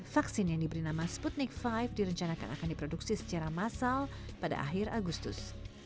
vaksin yang diberi nama sputnik lima direncanakan akan diproduksi secara massal pada akhir agustus